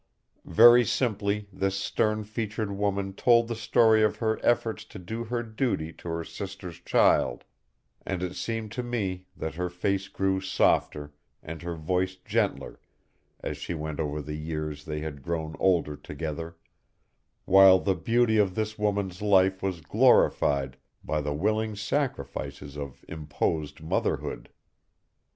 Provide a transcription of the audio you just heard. Very simply this stern featured woman told the story of her efforts to do her duty to her sister's child, and it seemed to me that her face grew softer and her voice gentler as she went over the years they had grown older together, while the beauty of this woman's life was glorified by the willing sacrifices of imposed motherhood.